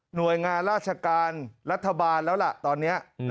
หน่วยงานราชการรัฐบาลแล้วล่ะตอนนี้